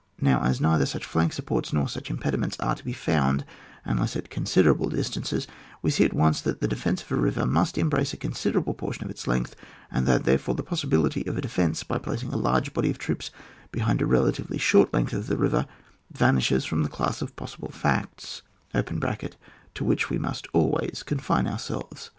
Now, as neither such fiank supports nor such impediments are to be found, unless at considerable distances, we see at once that the defence of a river must embrace a considerable portion of its length, and that, therefore, the possi bility of a defence by placing a large body of troops behind a relatively short length of the river vanishes from the class of pos sible facts (to which we must always con fine ourselves).